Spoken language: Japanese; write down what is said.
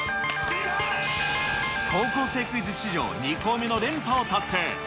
高校生クイズ史上２校目の連覇を達成。